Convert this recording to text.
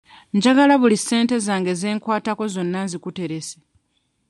Njagala buli ssente zange ze nkwatako zonna nzikuterese.